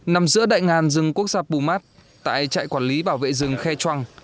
nằm giữa đại ngàn rừng quốc gia pumat tại trại quản lý bảo vệ rừng khe chuang